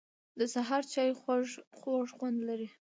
د سهار چای خوږ خوند لري